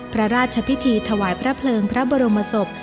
พระราชพิธีถวายพระเพลิงพระบรมศพ